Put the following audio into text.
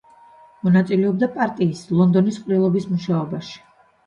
მონაწილეობდა პარტიის ლონდონის ყრილობის მუშაობაში.